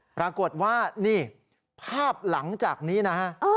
ปรากฏว่านี่ภาพหลังจากนี้นะฮะ